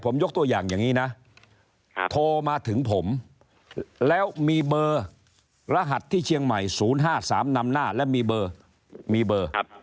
ผมยกตัวอย่างอย่างนี้นะโทรมาถึงผมแล้วมีเบอร์รหัสที่เชียงใหม่๐๕๓นำหน้าและมีเบอร์